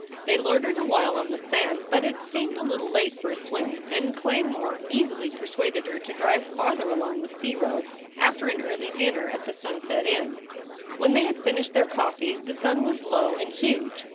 They loitered awhile on the sand, but it seemed a little late for a swim, and Claymore easily persuaded her to drive farther along the sea road after an early dinner at the Sunset Inn. When they had finished their coffee the sun was low and huge.